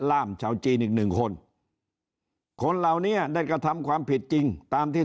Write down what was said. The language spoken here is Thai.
ล่ามชาวจีนอีกหนึ่งคนคนเหล่านี้ได้กระทำความผิดจริงตามที่